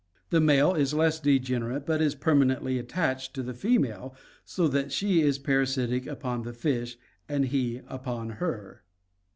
The male is less degen erate but is permanently attached to the female, so that she is parasitic upon the fish and he upon her.